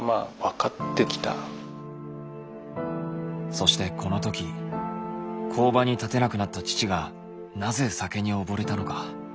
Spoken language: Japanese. そしてこのとき工場に立てなくなった父がなぜ酒におぼれたのか。